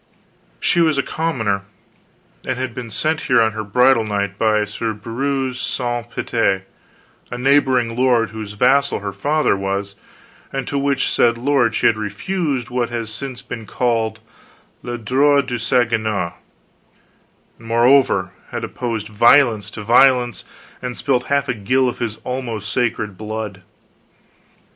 She was a commoner, and had been sent here on her bridal night by Sir Breuse Sance Pite, a neighboring lord whose vassal her father was, and to which said lord she had refused what has since been called le droit du seigneur, and, moreover, had opposed violence to violence and spilt half a gill of his almost sacred blood.